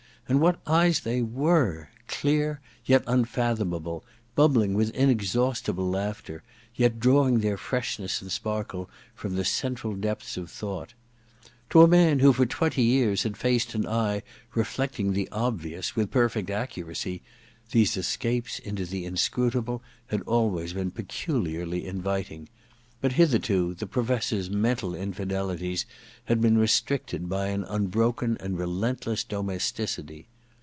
And what eyes they were !— clear yet unfathom able, bubbling with inexhaustible laughter, yet drawing their freshness and sparkle from the central depths of thought ! To a man who for twenty years had faced an eye reflecting the commonplace with perfect accuracy, these escapes into the inscrutable had always been peculiarly inviting ; but hitherto the Professor s mental infidelities had been restricted by an unbroken and relentless domesticity.